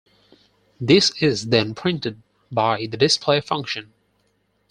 This is then printed by the display function.